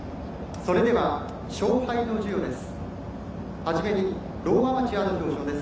それでは賞杯の授与です。